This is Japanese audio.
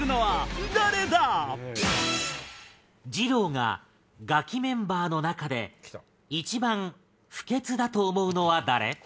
二朗がガキメンバーの中で一番不潔だと思うのは誰？